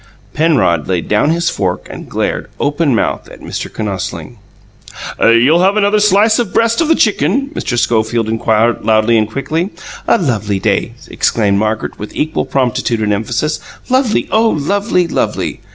Penrod laid down his fork and glared, open mouthed at Mr. Kinosling. "You'll have another slice of breast of the chicken?" Mr. Schofield inquired, loudly and quickly. "A lovely day!" exclaimed Margaret, with equal promptitude and emphasis. "Lovely, oh, lovely! Lovely!"